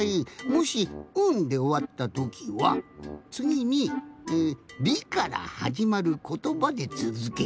もし「ん」でおわったときはつぎに「り」からはじまることばでつづければいいんじゃない？